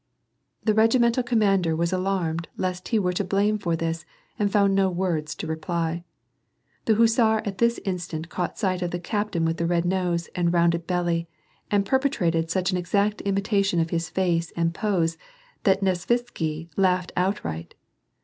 The regimental commander was alarmed lest he were to blame for this and found no words to reply. The Hussar at this instant caught sight of the captain with the red nose and rounded belly and perpetrated such an exact imitation of his face and pose that Nesvitsky laughed outright.